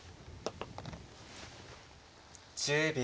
１０秒。